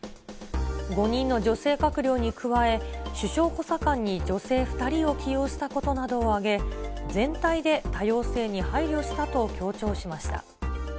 ５人の女性閣僚に加え、首相補佐官に女性２人を起用したことなどを挙げ、全体で多様性に配慮したと強調しました。